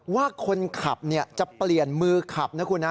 ว่าคนขับจะเปลี่ยนมือขับ